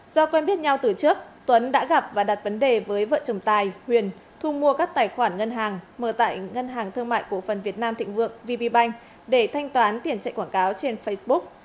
do quen biết nhau từ trước tuấn đã gặp và đặt vấn đề với vợ chồng tài huyền thu mua các tài khoản ngân hàng mở tại ngân hàng thương mại cổ phần việt nam thịnh vượng vp bank để thanh toán tiền chạy quảng cáo trên facebook